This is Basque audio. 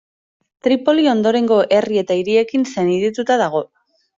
Tripoli ondorengo herri eta hiriekin senidetuta dago.